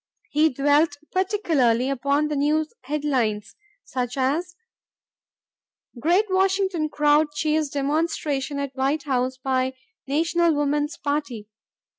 He dwelt particularly upon the news headlines, such as, "Great Washington Crowd Cheers Demonstration at White House by National Woman's Party."